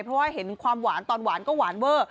เพราะว่าเห็นความหวานตอนหวานก็หวานเวอร์